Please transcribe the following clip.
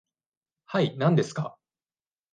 はい、何ですか。